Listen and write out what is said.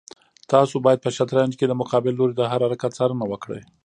تاسو باید په شطرنج کې د مقابل لوري د هر حرکت څارنه وکړئ.